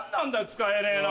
使えねえな。